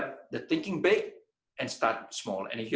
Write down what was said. tapi pemikiran besar dan pemotongan kecil